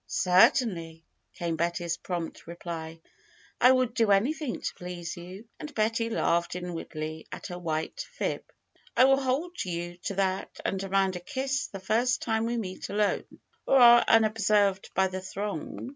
Certainly !" came Betty's prompt reply. would do anything to please you!" And Betty laughed in wardly at her white fib. will hold you to that and demand a kiss the first time we meet alone, or are unobserved by the throng.